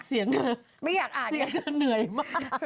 เสียงเสียงจะเหนื่อยมาก